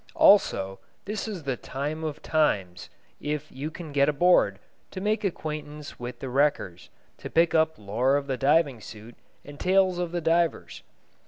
Also, this is the time of times, if you can get aboard, to make acquaintance with the wreckers, to pick up lore of the diving suit and tales of the divers.